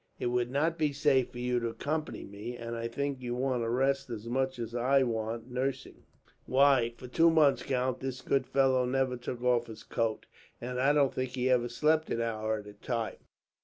It would not be safe for you to accompany me, and I think you want a rest as much as I want nursing. "Why, for two months, count, this good fellow never took off his coat; and I don't think he ever slept an hour at a time.